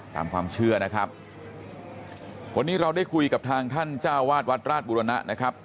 ตามความเชื่อนะครับวันนี้เราได้คุยกับทางท่านเจ้าวาดวัดราชบุรณะนะครับ